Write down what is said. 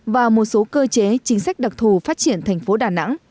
và một số cơ chế chính sách đặc thù phát triển thành phố đà nẵng